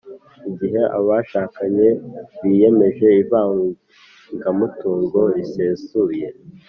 igihe abashakanye biyemeje ivangamutungo risesuye